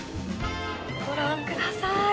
ご覧ください。